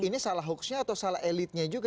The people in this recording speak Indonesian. ini salah hoaxnya atau salah elitnya juga